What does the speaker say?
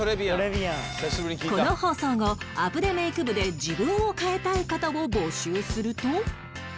この放送後アプデメイク部で自分を変えたい方を募集すると